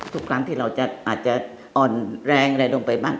ทุกครั้งที่เราอาจจะอ่อนแรงอะไรลงไปบ้าง